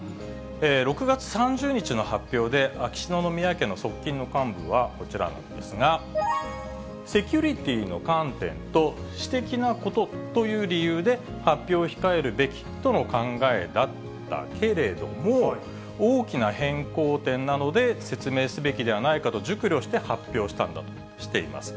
６月３０日の発表で、秋篠宮家の側近の幹部はこちらなんですが、セキュリティーの観点と、私的なことという理由で、発表を控えるべきとの考えだったけれども、大きな変更点なので、説明すべきではないかと、熟慮して発表したんだとしています。